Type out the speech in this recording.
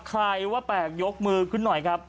ใครว่าแปลกยกมือขึ้นหน่อยครับ